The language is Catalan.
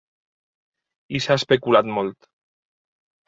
I s’ha especulat molt.